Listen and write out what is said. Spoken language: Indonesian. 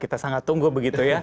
kita sangat tunggu begitu ya